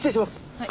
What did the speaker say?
はい。